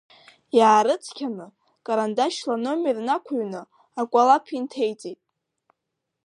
Иаарыцқьаны, карандашьла аномер нақәыҩны, акәалаԥ инҭеиҵеит.